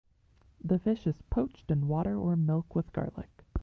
The fish is poached in water or milk with garlic.